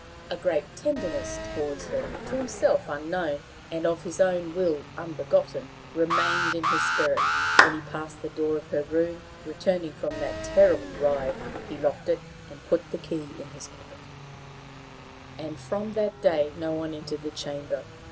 A great tenderness toward her, to himself unknown, and of his own will unbegotten, remained in his spirit. When he passed the door of her room, returning from that terrible ride, he locked it, and put the key in his pocket, and from that day no one entered the chamber.